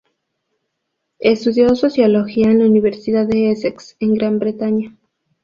Estudió sociología en la Universidad de Essex en Gran Bretaña.